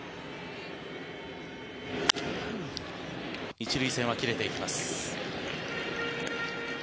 １塁線は切れていきます。